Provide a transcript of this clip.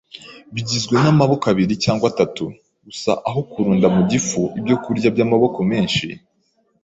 bigizwe n’amoko abiri cyangwa atatu gusa aho kurunda mu gifu ibyokurya by’amoko menshi.